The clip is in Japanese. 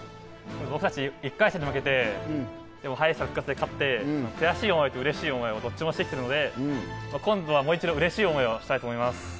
僕たち１回戦で負けてでも敗者復活で勝って悔しい思いと、うれしい思いどっちもしてきたので今度はもう一度うれしい思いをしたいと思います。